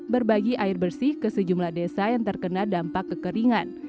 berbagi air bersih ke sejumlah desa yang terkena dampak kekeringan